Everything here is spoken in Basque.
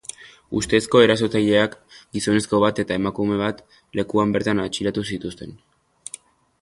Ustezko erasotzaileak, gizonezko bat eta emakume bat, lekuan bertan atxilotu zituzten.